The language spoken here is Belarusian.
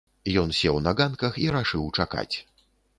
Ён сеў на ганках і рашыў чакаць.